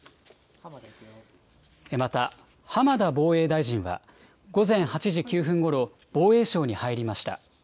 また、浜田防衛大臣は、午前８時９分ごろ、防衛省に入りました。